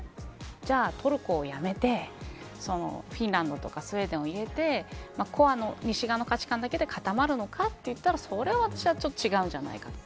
じゃあ、トルコをやめてフィンランドとかスウェーデンを入れてコアの西側の価値観だけで固まるのかと言ったらそれは私はちょっと違うんじゃないかと。